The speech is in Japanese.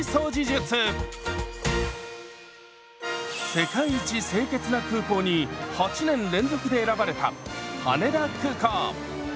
「世界一清潔な空港」に８年連続で選ばれた羽田空港。